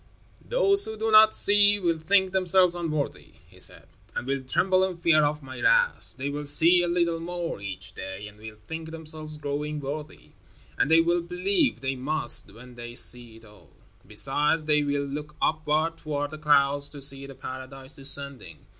"Those who do not see, will think themselves unworthy," he said, "and will tremble in fear of my wrath. They will see a little more each day and will think themselves growing worthy. And they will believe; they must, when they see it all. Besides, they will look upward, toward the clouds, to see the paradise descending.